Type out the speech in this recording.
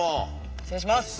失礼します。